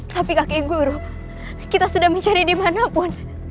tapi kaki guru kita sudah mencari dimanapun